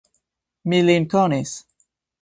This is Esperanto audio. Mi lin konis.